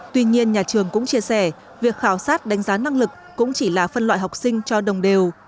tuy nhiên nhà trường cũng chia sẻ việc khảo sát đánh giá năng lực cũng chỉ là phân loại học sinh cho đồng đều